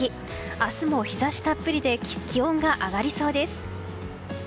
明日も日差したっぷりで気温が上がりそうです。